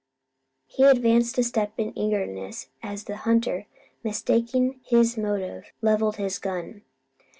He advanced a step in his eagerness, and the hunter, mistaking his motive, levelled his gun.